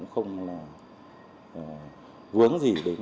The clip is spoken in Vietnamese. không vướng gì đến